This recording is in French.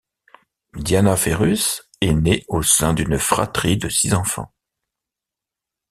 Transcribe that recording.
Diana Ferrus est née au sein d'une fratrie de six enfants.